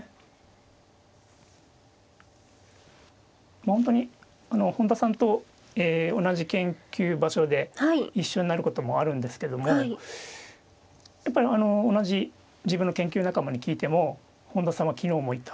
まあ本当に本田さんと同じ研究場所で一緒になることもあるんですけどもやっぱり同じ自分の研究仲間に聞いても「本田さんは昨日もいた。